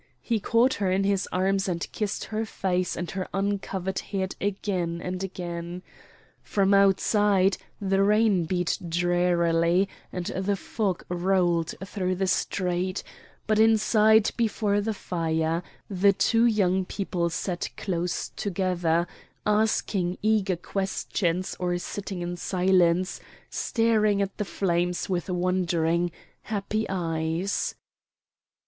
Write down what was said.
He caught her in his arms and kissed her face and her uncovered head again and again. From outside the rain beat drearily and the fog rolled through the street, but inside before the fire the two young people sat close together, asking eager questions or sitting in silence, staring at the flames with wondering, happy eyes.